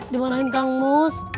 dimarahin kang umus